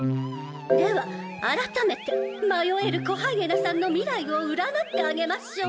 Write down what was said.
ではあらためて迷える子ハイエナさんの未来を占ってあげましょう。